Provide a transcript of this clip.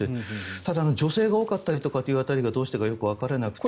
ただ、女性が多かったりとかがどうしてかわからなくて。